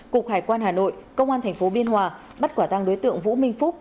cục hải quan hà nội công an thành phố biên hòa bắt quả tăng đối tượng vũ minh phúc